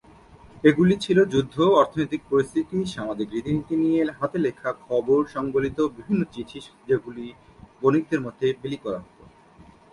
এগুলি ছিল যুদ্ধ, অর্থনৈতিক পরিস্থিতি, সামাজিক রীতিনীতি নিয়ে হাতে লেখা খবর-সংবলিত বিভিন্ন চিঠি যেগুলি বণিকদের মধ্যে বিলি করা হত।